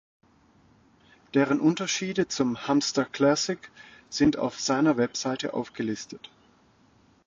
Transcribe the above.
Deren Unterschiede zum "Hamster Classic" sind auf seiner Website aufgelistet.